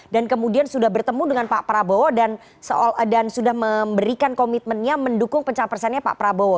dan kemudian sudah bertemu dengan pak prabowo dan sudah memberikan komitmennya mendukung pencapresannya pak prabowo